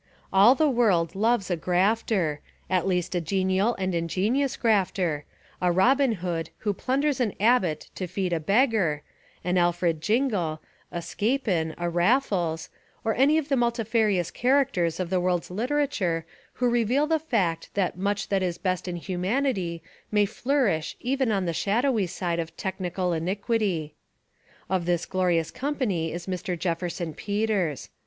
All the world loves a grafter, — at least a genial and ingenious grafter, — a Robin Hood who plunders an abbot to feed a beggar, an Alfred Jingle, a Scapin, a Raffles, — or any of the multifarious characters of the world's lit 251 Essays and Literary Studies erature who reveal the fact that much that is best in humanity may flourish even on the shad owy side of technical iniquity. Of this glorious company is Mr. Jefferson Peters.